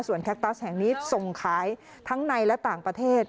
แคคตัสแห่งนี้ส่งขายทั้งในและต่างประเทศ